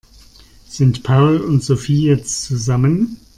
Sind Paul und Sophie jetzt zusammen?